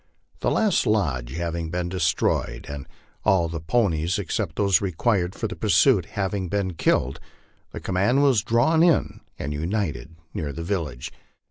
The last lodge having been destroyed, and all the ponies except those required for the pursuit having been killed, the command wns drawn in and united near the village.